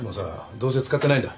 どうせ使ってないんだ